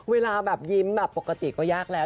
เวลาแบบยิ้มแบบปกติก็ยากแล้ว